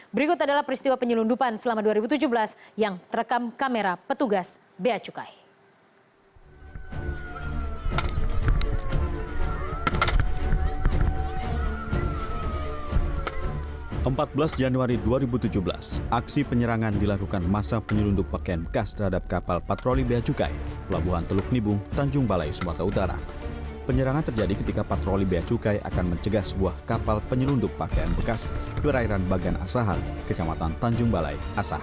berikut adalah peristiwa penyelundupan selama dua ribu tujuh belas yang terekam kamera petugas b a cukai